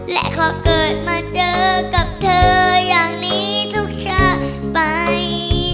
และขอเกิดมาเจอกับเธออย่างนี้ทุกชาติไป